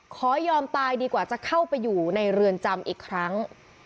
ขอยอมตายดีกว่าจะเข้าไปอยู่ในเรือนจำอีกครั้ง